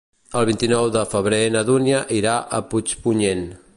El vint-i-nou de febrer na Dúnia irà a Puigpunyent.